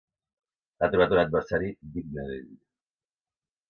Ha trobat un adversari digne d'ell.